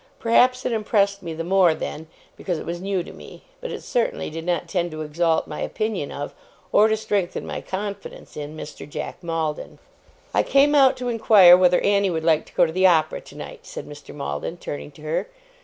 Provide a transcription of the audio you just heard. Perhaps it impressed me the more then, because it was new to me, but it certainly did not tend to exalt my opinion of, or to strengthen my confidence in, Mr. Jack Maldon. 'I came out to inquire whether Annie would like to go to the opera tonight,' said Mr. Maldon, turning to her.